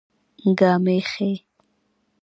ګامېښې